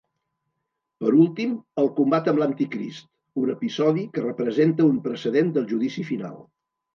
Per últim, el combat amb l'anticrist, un episodi que representa un precedent del Judici Final.